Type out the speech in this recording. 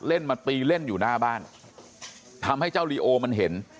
มาตีเล่นอยู่หน้าบ้านทำให้เจ้าลีโอมันเห็น